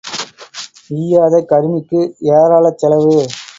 ஈயாத கருமிக்கு ஏராளச் செலவு.